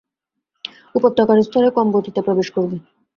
উপত্যকার স্তরে কম গতিতে প্রবেশ করবে।